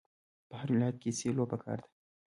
په هر ولایت کې سیلو پکار ده.